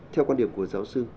theo quan điểm của giáo sư